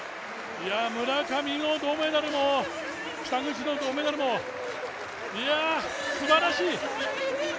村上の銅メダルも、北口の銅メダルも、いや、すばらしい。